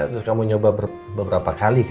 terus kamu nyoba beberapa kali